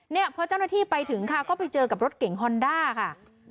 เนี่ยพอเจ้าหน้าที่ไปถึงค่ะก็ไปเจอกับรถเก่งฮอนด้าค่ะ